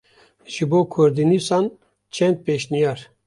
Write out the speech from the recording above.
Ji bo kurdînûsan çend pêşniyar.